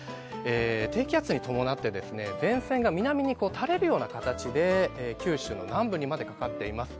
低気圧に伴って、前線が南にたれるような形で九州の南部にまでかかっています。